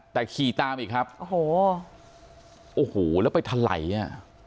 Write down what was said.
แต่ขี่ตามอีกครับโอ้โหโอ้โหแล้วไปทะไหลอ่ะ